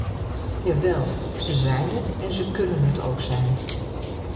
Jawel, ze zijn het en ze kunnen het ook zijn!